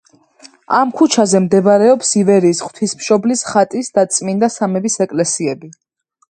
ამ ქუჩაზე მდებარეობს ივერიის ღვთისმშობლის ხატის და წმინდა სამების ეკლესიები.